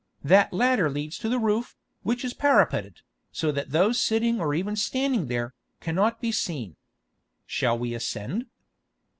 That ladder leads to the roof, which is parapeted, so that those sitting or even standing there, cannot be seen. Shall we ascend?"